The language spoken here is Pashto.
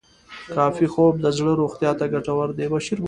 کافي خوب د زړه روغتیا ته ګټور دی.